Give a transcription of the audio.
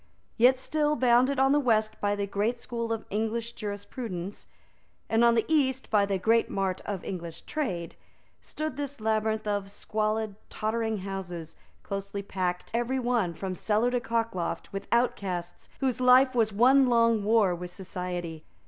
Yet still, bounded on the west by the great school of English jurisprudence, and on the east by the great mart of English trade, stood this labyrinth of squalid, tottering houses, close packed, every one, from cellar to cockloft, with outcasts whose life was one long war with society.